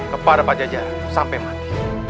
kepada pajajaran sampai mati